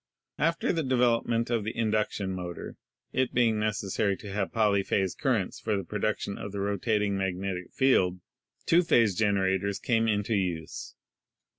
After the development of the induction motor — it being necessary to have polyphase currents for the production of the rotating magnetic field — two phase generators came into use.